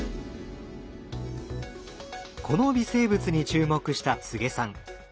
この微生物に注目した柘植さん。